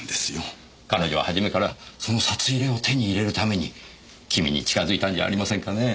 彼女は初めからその札入れを手に入れるためにキミに近づいたんじゃありませんかね。